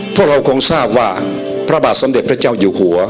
พวกเราคงทราบว่าพระบาทสมเด็จพระเจ้าอยู่หัว